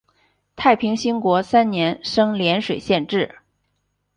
太平兴国三年升涟水县置。